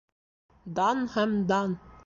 — Дан һәм дан!